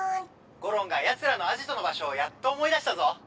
ゴロンがやつらのアジトの場所をやっと思い出したぞ！